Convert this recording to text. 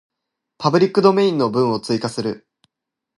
パブリックドメインの文を追加する